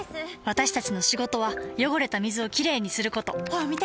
私たちの仕事は汚れた水をきれいにすることホアン見て！